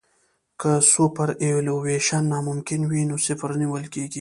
که سوپرایلیویشن ناممکن وي نو صفر نیول کیږي